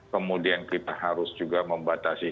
kemudian kita harus juga membatasi